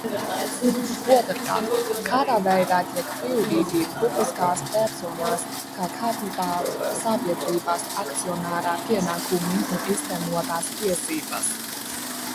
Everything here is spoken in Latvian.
Otrkārt, kādā veidā tiek pildīti publiskās personas kā kapitālsabiedrības akcionāra pienākumi un īstenotas tiesības.